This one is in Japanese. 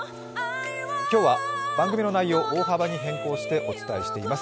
今日は番組の内容を大幅に変更してお伝えしています。